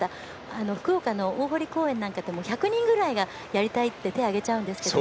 福岡の大濠公園なんかでも１００人ぐらいがやりたいって手をあげちゃうんです。